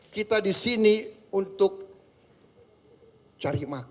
kita di sini untuk cari makan